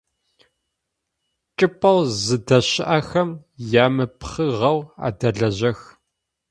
Чӏыпӏэу зыдэщыӏэхэм ямыпхыгъэу адэлажьэх.